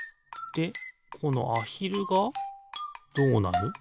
でこのアヒルがどうなる？